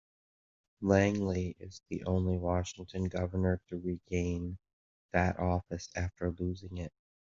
Langlie is the only Washington governor to regain that office after losing it.